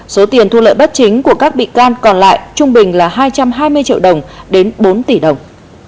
số tiền thu lợi bất chính của các bị can còn lại trung bình là hai trăm hai mươi triệu đồng đến bốn tỷ đồng